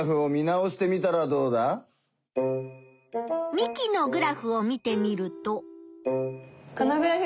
ミキのグラフを見てみると。